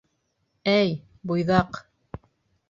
Әй, буйҙаҡ.